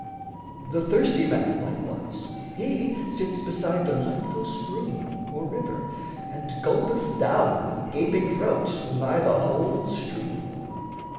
The thirsty man, Likewise, he sits beside delightful spring Or river and gulpeth down with gaping throat Nigh the whole stream.